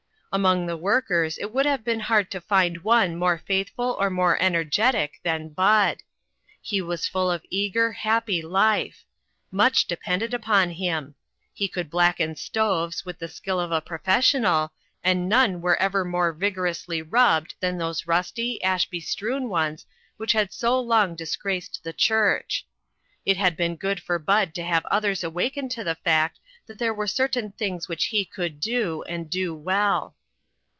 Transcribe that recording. Among the workers it would have beer, hard to find one more faithful or more en ergetic than Bud. He was full of eager, happy life. Much depended upon him. He could blacken stoves with the skill of a professional, and none were ever more vigor ously rubbed than those rusty, ash be strewn ones which had so long disgraced the church. It had been good for Bud to have others awaken to the fact that there were certain things which he could do, and do well.